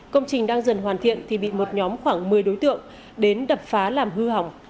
công trình đang dần hoàn thiện thì bị một nhóm khoảng một mươi đối tượng đến đập phá làm hư hỏng